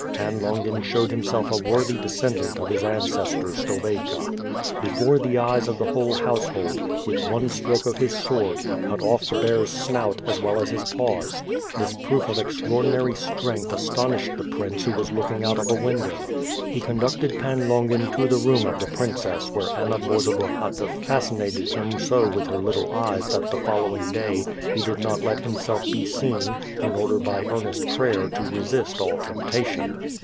Pan Longin showed himself a worthy descendant of his ancestor, Stoveyka. Be fore the eyes of the whole household, with one stroke of his sword, he cut off the bear's snout, as well as his paws. This * A four foote'l rogue. §4 ^J'l'B f*H^B A^I> SWORD, proof of extraordinary strength astonished the prince who was looking out of a window, lie conducted Pan Longin to the room of the princess where Anna Borzobahata fascinated him so with her Uttle eyes that the following day, he did not let himself be seen, in order by earnest prayer to resist all temptation.